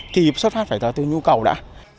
thì xuất phát phải từ nhu cầu đã